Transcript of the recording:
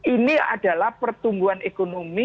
ini adalah pertumbuhan ekonomi